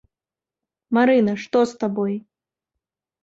Марына, што з табой?